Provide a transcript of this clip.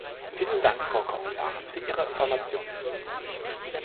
Vielen Dank, Frau Kommissarin, für Ihre Informationen.